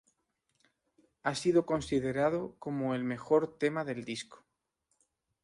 Ha sido considerado como "el mejor tema del disco".